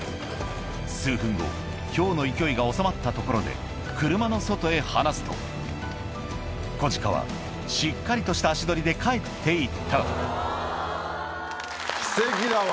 数分後ひょうの勢いが収まったところで車の外へ放すと子鹿はしっかりとした足取りで帰って行った奇跡だわ。